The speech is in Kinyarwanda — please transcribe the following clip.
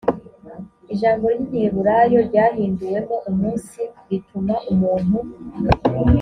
ijambo ry igiheburayo ryahinduwemo umunsi rituma umuntu